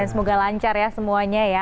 dan semoga lancar ya semuanya ya